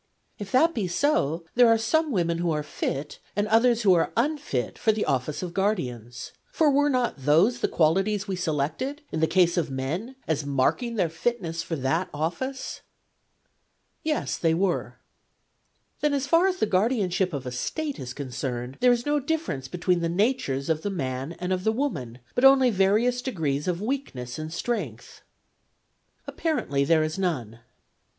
' If that be so, there are some women who are fit, and others who are unfit, for the office of guardians. For were not those the qualities we selected, in the case of men, as marking their fitness for that office ?' 1 Yes, they were.' ' Then, as far as the guardianship of a state is con cerned, there is no difference between the natures of the man and of the woman, but only various degrees of weakness and strength ?'' Apparently there is none.'